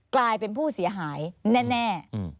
กลายเป็นผู้เสียหายแน่